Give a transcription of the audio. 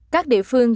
các địa phương